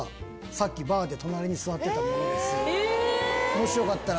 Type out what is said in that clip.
「もしよかったら」。